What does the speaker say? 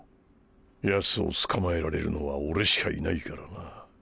ヤツを捕まえられるのは俺しかいないからな。